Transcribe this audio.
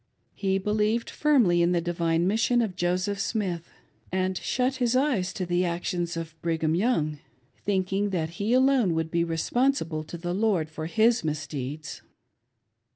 He believed firmly in the divine mission of Joseph Smith, and shut his eyes to the actions of Brigham Young, thinking that he alone would be responsible to the Lord for his misdeeds.